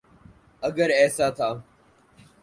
اگر ایسا تھا۔